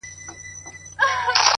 شېرينې ستا په تصور کي چي تصوير ورک دی’